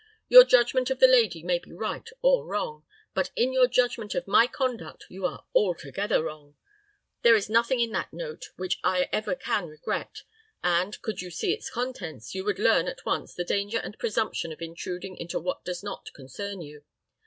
Your judgment of the lady may be right or wrong; but in your judgment of my conduct you are altogether wrong. There is nothing in that note which I ever can regret, and, could you see its contents, you would learn at once the danger and presumption of intruding into what does not concern you.